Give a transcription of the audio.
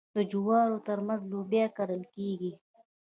د جوارو ترمنځ لوبیا کرل کیږي.